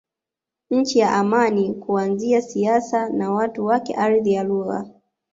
Nchi ya Amani Kuanzia siasa na watu wake ardhi na lugha